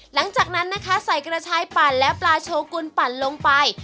หลังจากนั้นนะคะใส่กระชายปั่นและปลาโชกุลปั่นลงไป